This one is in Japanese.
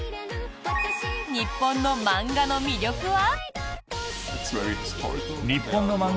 日本の漫画の魅力は？